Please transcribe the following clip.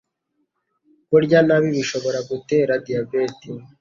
Kurya ntabi bishobora gutera diabete